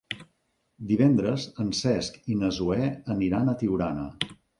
Divendres en Cesc i na Zoè aniran a Tiurana.